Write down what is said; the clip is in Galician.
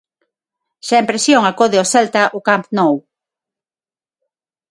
Sen presión acode o Celta ao Camp Nou.